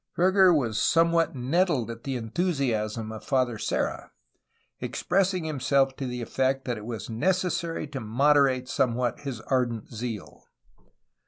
Verger was somewhat nettled at the enthusiasm of Father Serra, expressing himself to the effect that it was '^necessary to moderate somewhat his ardent zeal."